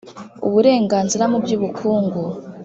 Uburengazira mu by ubukungu